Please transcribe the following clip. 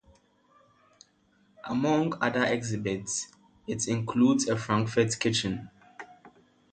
Among other exhibits, it includes a Frankfurt kitchen.